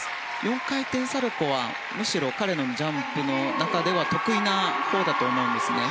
４回転サルコウはむしろ彼のジャンプの中では得意なほうだと思うんですね。